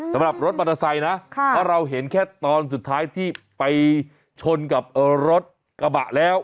สำหรับรถมอเตอร์ไซค์นะเพราะเราเห็นแค่ตอนสุดท้ายที่ไปชนกับรถกระบะแล้ว